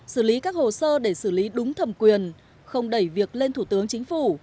xử lý các hồ sơ để xử lý đúng thẩm quyền không đẩy việc lên thủ tướng chính phủ